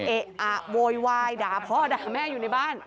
เอ๊ะอะโวยวายด่าพ่อด่าแม่อยู่ในบ้าน